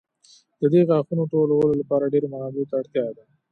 د دې غاښونو ټولولو لپاره ډېرو منابعو ته اړتیا ده.